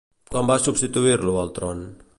Quan va substituir-lo al tron?